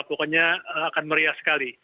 pokoknya akan meriah sekali